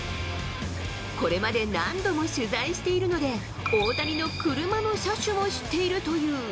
これまで何度も取材しているので、大谷の車の車種も知っているという。